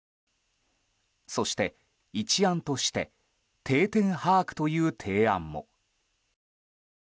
そして一案として定点把握という提案も。